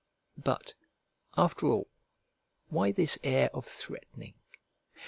But, after all, why this air of threatening?